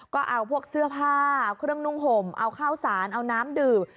ก็เอาพวกเสื้อผ้าเครื่องนุ่งห่มเอาข้าวสารเอาน้ำดื่ม